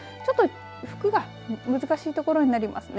服が難しいところになりますね。